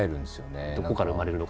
どこから生まれるのかですよね。